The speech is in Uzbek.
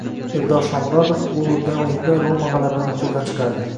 Eldor Shomurodov gol urgan o‘yinda “Roma” g‘alabani qo‘ldan chiqardi